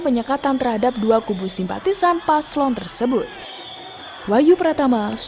penyekatan terhadap dua kubu simpatisan paslon tersebut